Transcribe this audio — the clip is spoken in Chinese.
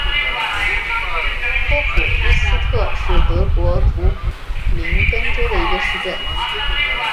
托普夫斯特是德国图林根州的一个市镇。